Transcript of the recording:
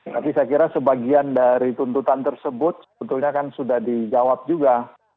tapi saya kira sebagian dari tuntutan tersebut sebetulnya kan sudah dijawab juga